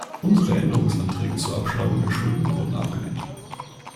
Unsere Änderungsanträge zur Abschreibung der Schulden wurden abgelehnt.